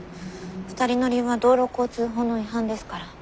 ２人乗りは道路交通法の違反ですから。